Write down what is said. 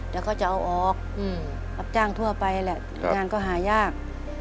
แล้วก็จะเอาออกรับจ้างทั่วไปแหละงานก็หายาก